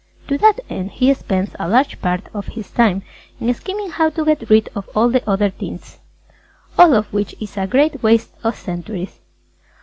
To that end he spends a large part of his time in scheming how to get rid of all the other tints. All of which is a great waste of centuries!